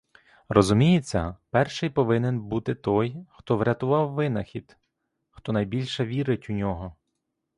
Розуміється, перший повинен бути той, хто врятував винахід, хто найбільше вірить у нього.